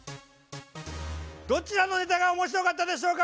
どちらのネタが面白かったでしょうか。